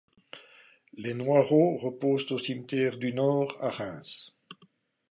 Les Noirot reposent au Cimetière du Nord, à Reims.